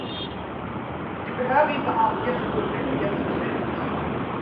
Det behöver inte anges i fullmäktiges beslut.